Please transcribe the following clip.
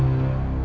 terima kasih bos